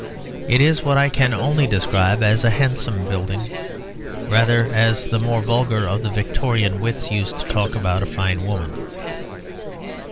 It is what I can only describe as a handsome building; rather as the more vulgar of the Victorian wits used to talk about a fine woman.